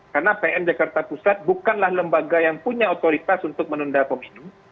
karena pn jakarta pusat bukanlah lembaga yang punya otoritas untuk menunda pemilu